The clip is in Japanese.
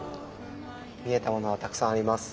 見えたものはたくさんあります。